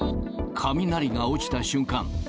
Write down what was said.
雷が落ちた瞬間。